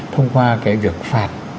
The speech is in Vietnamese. thông qua cái việc phạt